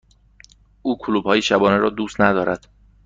او کلوپ های شبانه را دوست ندارد.